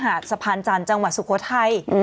สะพานจันทร์จังหวัดสุโขทัย